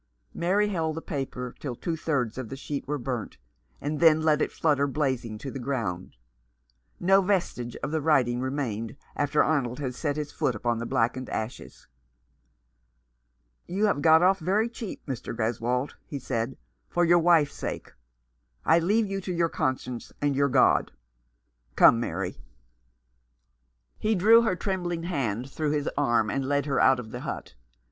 Mary held the paper till two thirds of the sheet were burnt, and then let it flutter blazing to the ground. No vestige of the writing remained after Arnold had set his foot upon the blackened ashes. " You have got off very cheap, Mr. Greswold," he said, "for your wife's sake. I leave you to your conscience, and your God. Come, Mary." He drew her trembling hand through his arm and led her out of the hut.